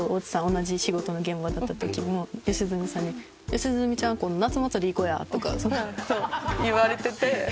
同じ仕事の現場だった時も吉住さんに「吉住ちゃん今度夏祭り行こうや！」とか。そう言われてて。